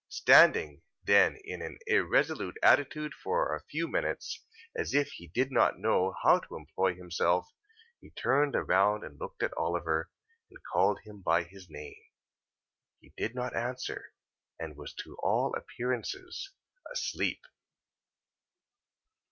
Standing, then in an irresolute attitude for a few minutes, as if he did not well know how to employ himself, he turned round and looked at Oliver, and called him by his name. He did not answer, and was to all appearances asleep.